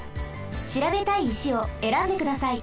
しらべたい石をえらんでください。